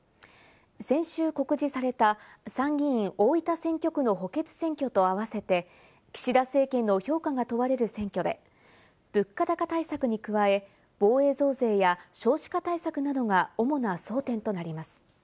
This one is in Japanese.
先週告示された参議院を大分選挙区の補欠選挙と合わせて、岸田政権の評価が問われる選挙で、物価高対策に加え、防衛増税や少子化対策などが主な争点となります。